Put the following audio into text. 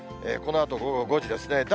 このあと午後５時ですね。